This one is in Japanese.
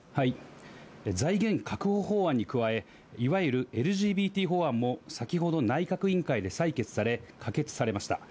財源確保法案に加え、いわゆるＬＧＢＴ法案も、先ほど内閣委員会で採決され、可決されました。